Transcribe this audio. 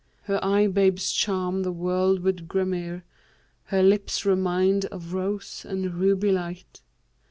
Her eye babes charm the world with gramarye; * Her lips remind of rose and ruby light.